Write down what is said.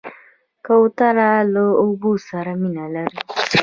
کوتره له اوبو سره مینه لري.